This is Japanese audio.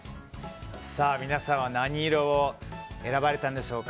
皆さんは何色を選ばれたんでしょうか。